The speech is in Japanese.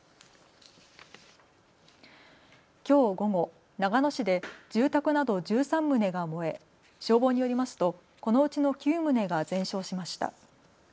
きょう午後、長野市で住宅など１３棟が燃え消防によりますとこのうちの９棟が全焼しました。